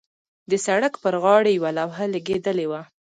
د سړک پر غاړې یوه لوحه لګېدلې وه.